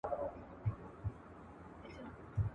زه به سبا مکتب ته ولاړم!.